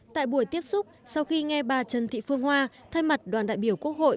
tại buổi tiếp xúc sau khi nghe bà trần thị phương hoa thay mặt đoàn đại biểu quốc hội